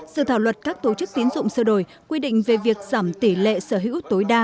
sự thảo luật các tổ chức tiến dụng sơ đổi quy định về việc giảm tỷ lệ sở hữu tối đa